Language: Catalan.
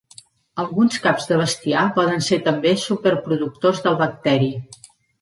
Alguns caps de bestiar poden ser també "superproductors" del bacteri.